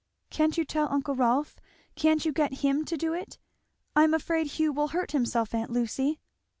"Can't you tell uncle Rolf? can't you get him to do it? I am afraid Hugh will hurt himself, aunt Lucy."